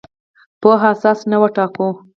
پوهه اساس نه وټاکو.